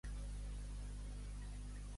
Dallaran les espigues sense veure-hi de cap ull.